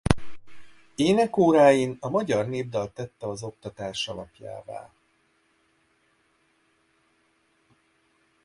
Ének-óráin a magyar népdalt tette az oktatás alapjává.